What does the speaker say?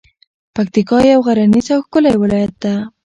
پکتیکا یو غرنیز او ښکلی ولایت ده.